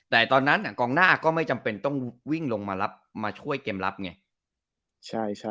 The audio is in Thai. แต่ตอนนั้นกองหน้าก็ไม่จำเป็นต้องวิ่งลงมารับมาช่วยเกมรับไง